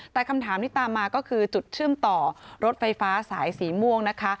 แต่คำถามที่ตามมาก็คือจุดเชื่อมต่อรถไฟฟ้าสายสีม่วงนะคะ